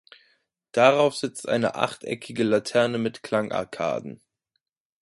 Darauf sitzt eine achteckige Laterne mit Klangarkaden.